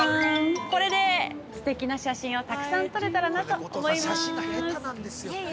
これですてきな写真をたくさん撮れたらなと思います。